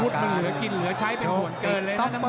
มันเหลือกินเหลือใช้เป็นส่วนเกินเลยนะน้ำเงิน